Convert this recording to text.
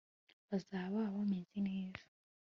bazaba bameze neza